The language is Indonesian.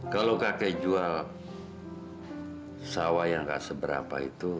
kalau kakek jual sawah yang gak seberapa itu